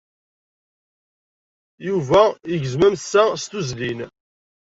Yuba igezzem amessa s tuzzlin.